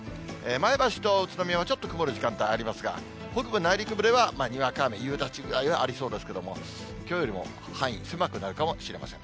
前橋と宇都宮は、ちょっと曇る時間帯ありますが、北部、内陸部では、にわか雨、夕立ぐらいはありそうですけども、きょうよりも範囲、狭くなるかもしれません。